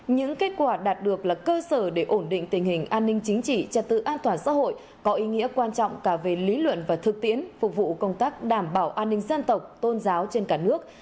những kết quả đạt được là cơ sở để ổn định tình hình an ninh chính trị trật tự an toàn xã hội có ý nghĩa quan trọng cả về lý luận và thực tiễn phục vụ công tác đảm bảo an ninh dân tộc tôn giáo trên cả nước